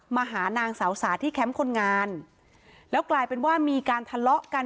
มาหานางสาวสาที่แคมป์คนงานแล้วกลายเป็นว่ามีการทะเลาะกัน